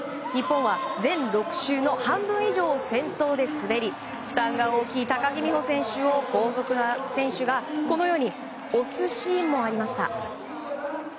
日本は、全６周の半分以上を先頭で滑り負担が大きい高木美帆選手を後続の選手が、このように押すシーンもありました。